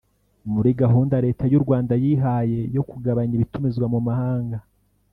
muri gahunda Leta y’u Rwanda yihaye yo kugabanya ibitumizwa mu mahanga